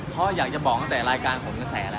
เพราะอยากจะบอกตั้งแต่รายการโหนกระแสแล้ว